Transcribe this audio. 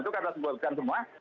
itu kata sebutkan semua